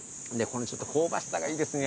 このちょっと香ばしさがいいですね